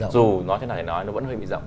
dù nói thế nào thì nói nó vẫn hơi bị rộng